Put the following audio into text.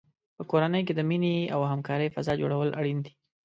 په کورنۍ کې د مینې او همکارۍ فضا جوړول اړین دي.